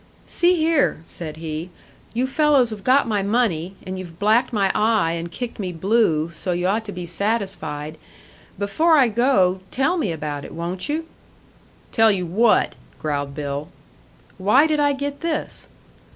"See here," said he, "you fellows have got my money, and you've blacked my eye and kicked me blue, so you ought to be satisfied. Before I go, tell me about it, won't you?" "Tell you what?" growled Bill. "Why did I get this?"